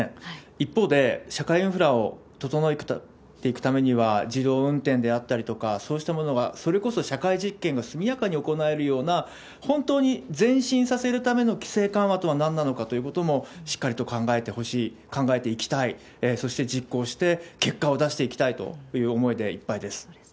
一方で、社会インフラを整えていくためには、自動運転であったりとか、そうしたものが、それこそ社会実験がすみやかに行われるような、本当に前進させるための規制緩和とはなんなのかということをしっかりと考えてほしい、考えていきたい、そして実行して、結果を出していきたいという思いでいっぱいです。